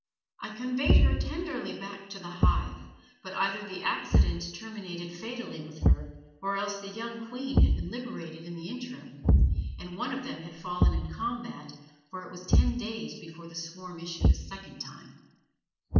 I conveyed her tenderly back to the hive, but either the accident terminated fatally with her or else the young queen had been liberated in the interim, and one of them had fallen in combat, for it was ten days before the swarm issued a second time.